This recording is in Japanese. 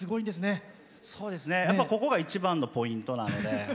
ここが一番のポイントなので。